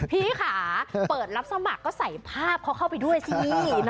พี่ค่ะเปิดรับสมัครก็ใส่ภาพเขาเข้าไปด้วยสิ